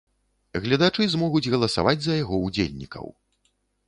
Гледачы змогуць галасаваць за яго ўдзельнікаў.